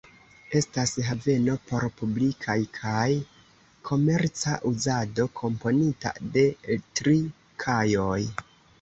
Estas haveno por publikaj kaj komerca uzado, komponita de tri kajoj.